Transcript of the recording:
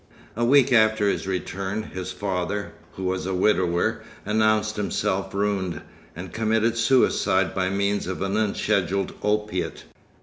A week after his return his father, who was a widower, announced himself ruined, and committed suicide by means of an unscheduled opiate.